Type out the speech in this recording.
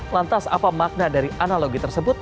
lantas apa makna dari analogi tersebut